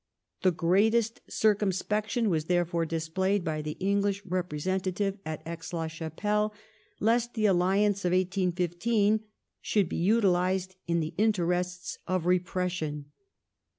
The greatest circumspection was, therefore, displayed by the English representative at Aix la Chapelle lest the Alliance of 1815 should be utilized in the interests of repression.